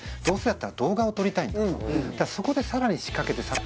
「どうせだったら動画を撮りたいんだ」と「そこでさらに仕掛けて」